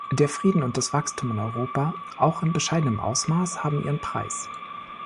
Der Frieden und das Wachstum in Europa, auch in bescheidenem Ausmaß, haben ihren Preis.